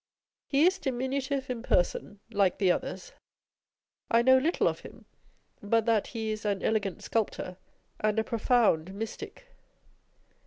He is diminutive in person, like the others. I know little of him, but that he is an elegant sculptor, and a profound mystic.